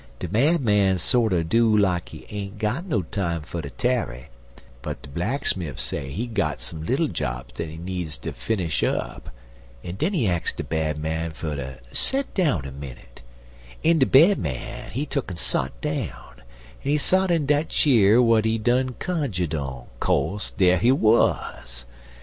De Bad Man sorter do like he ain't got no time fer ter tarry, but de blacksmif say he got some little jobs dat he bleedzd ter finish up, en den he ax de Bad Man fer ter set down a minnit; en de Bad Man, he tuck'n sot down, en he sot in dat cheer w'at he done conju'd en, co'se, dar he wuz.